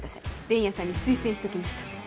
伝弥さんに推薦しときましたんで。